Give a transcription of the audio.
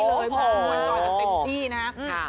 มองหวนก่อนกันเต็มที่นะครับ